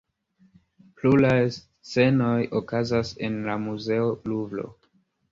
Pluraj scenoj okazas en la muzeo Luvro.